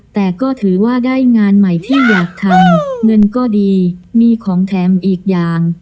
แต่ก็ถือว่าได้งานใหม่ที่อยากทำเงินก็ดีมีของแถมอีกอย่าง